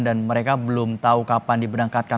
dan mereka belum tahu kapan diberangkatkan